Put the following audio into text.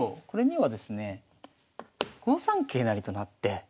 これにはですねえ５三桂成となって。